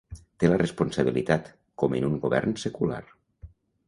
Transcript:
Té la responsabilitat, com en un govern secular.